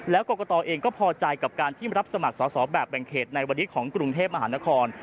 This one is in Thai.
แล้วกรกตเองก็พอใจกับการที่รับสมัครสอบแบบแบ่งเขตในวันนี้ของกรุงเทพมหานคร